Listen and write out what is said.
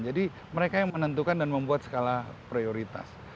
jadi mereka yang menentukan dan membuat skala prioritas